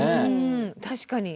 確かに。